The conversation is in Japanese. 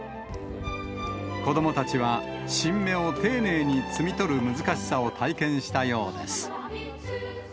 子どもたちは、新芽を丁寧に摘み取る難しさを体験したようです。